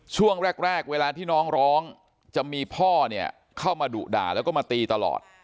ช่วงแรกเวลาที่น้องร้องจะมีพ่อเนี่ยเข้ามาดุด่าแล้วก็มาตีตลอด